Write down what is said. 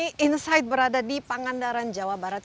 ya halo hari ini insight berada di pangandaran jawa barat